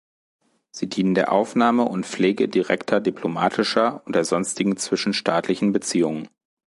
Sie dienen der Aufnahme und Pflege direkter diplomatischer und der sonstigen zwischenstaatlichen Beziehungen.